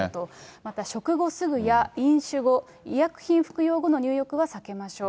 また食後すぐや、飲酒後、医薬品服用後の入浴は避けましょう。